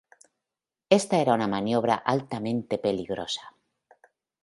Esta, era una maniobra altamente peligrosa.